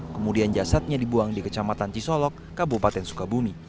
kemudian jasadnya dibuang di kecamatan cisolok kabupaten sukabumi